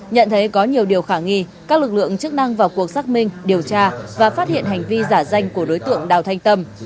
nhận thấy có nhiều điều khả nghi các lực lượng chức năng vào cuộc xác minh điều tra và phát hiện hành vi giả danh của đối tượng đào thanh tâm